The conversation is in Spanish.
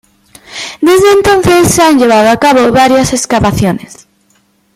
Desde entonces, se han llevado a cabo varias excavaciones.